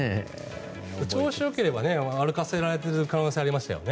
調子がよければ歩かせられている可能性がありましたよね。